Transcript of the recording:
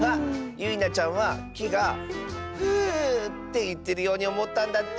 ゆいなちゃんはきが「ふっ」っていってるようにおもったんだって。